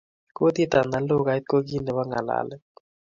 Kutiit anan lukait ko kiit nebo ng'alalet